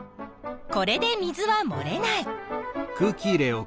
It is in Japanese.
これで水はもれない。